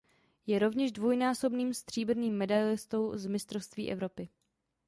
Je rovněž dvojnásobným stříbrným medailistou z mistrovství Evropy.